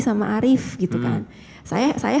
sama arief gitu kan saya